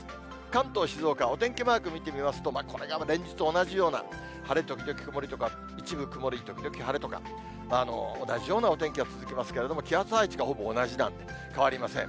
関東、静岡、お天気マーク見てみますと、これが連日同じような、晴れ時々曇りとか、一部曇り時々晴れとか、同じようなお天気が続きますけれども、気圧配置がほぼ同じなんで、変わりません。